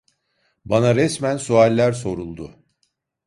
Bana resmen sualler soruldu.